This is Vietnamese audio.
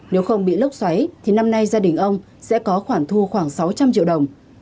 nếu không bị lốc xoáy thì năm nay gia đình ông sẽ có khoản thu khoảng sáu trăm linh triệu đồng